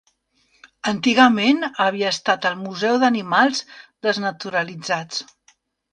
Antigament havia estat el museu d'animals desnaturalitzats.